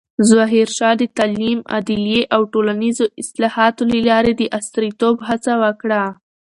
ظاهرشاه د تعلیم، عدلیې او ټولنیزو اصلاحاتو له لارې د عصریتوب هڅه وکړه.